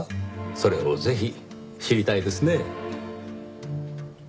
それをぜひ知りたいですねぇ。